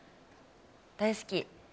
大好き。